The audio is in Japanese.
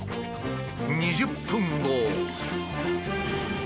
２０分後。